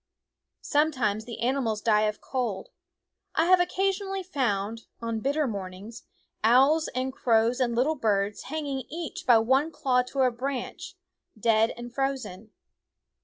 Sometimes the animals die of cold. I have occasionally found, on bitter mornings, owls and crows and little birds hanging each by one claw to a branch, dead and frozen.